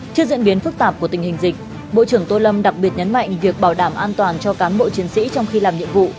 trước diễn biến phức tạp của tình hình dịch bộ trưởng tô lâm đặc biệt nhấn mạnh việc bảo đảm an toàn cho cán bộ chiến sĩ trong khi làm nhiệm vụ